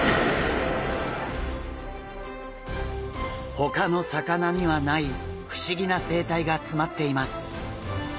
ほかの魚にはない不思議な生態が詰まっています。